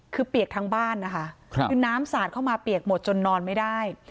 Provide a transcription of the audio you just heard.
คือเปียกทั้งบ้านนะคะคือน้ำสาดเข้ามาเปียกหมดจนนอนไม่ได้